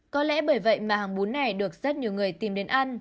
có lẽ bởi vậy mà hàng bún này được rất nhiều người tìm đến ăn